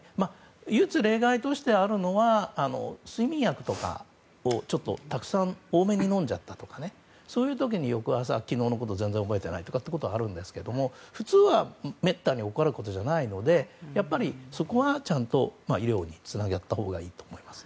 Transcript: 唯一例外としてあるのは睡眠薬とかをちょっと多めに飲んじゃったとかそういう時に翌朝、昨日のことを全然覚えていないというのはあるんですが普通はめったに起こることじゃないのでそこはちゃんと医療につながったほうがいいと思います。